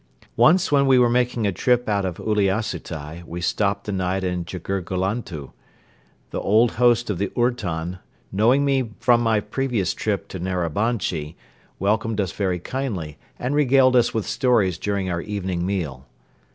Once when we were making a trip out of Uliassutai we stopped the night in Djirgalantu. The old host of the ourton, knowing me from my previous trip to Narabanchi, welcomed us very kindly and regaled us with stories during our evening meal.